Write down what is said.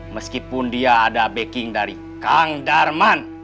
meskipun dia ada backing dari kang darman